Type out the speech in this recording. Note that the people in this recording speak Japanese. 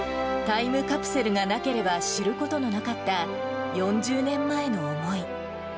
タイムカプセルがなければ知ることがなかった４０年前の思い。